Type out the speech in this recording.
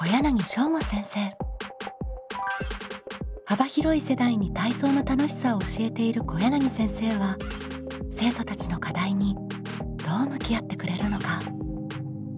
幅広い世代に体操の楽しさを教えている小柳先生は生徒たちの課題にどう向き合ってくれるのか？